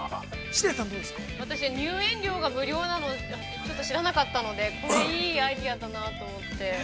◆私は入園料が無料なの、ちょっと知らなかったので、これ、いいアイデアだなと思って。